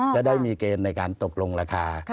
จะได้มีเกณฑ์ในการตกลงราคา